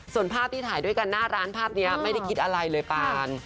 ส่วนภาพที่ถ่ายด้วยกันหน้าร้านภาพนี้ไม่ได้คิดอะไรเลยปาน